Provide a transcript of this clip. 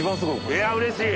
いやうれしい！